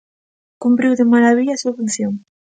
Cumpriu de marabilla a súa función.